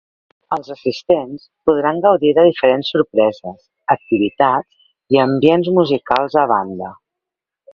Els assistents podran gaudir de diferents sorpreses, activitats i ambients musicals a banda.